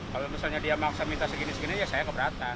kalau misalnya dia maksa minta segini segini ya saya keberatan